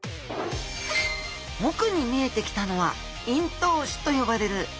奥に見えてきたのは咽頭歯と呼ばれる歯。